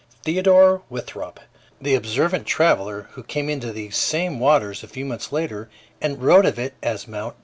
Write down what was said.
Theodore Winthrop, the observant traveler who came into these same waters a few months later and wrote of it as Mt.